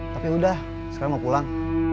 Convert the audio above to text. tapi udah sekarang mau pulang